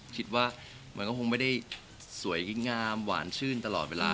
คิดว่ามันก็คงไม่ได้สวยงามหวานชื่นตลอดเวลา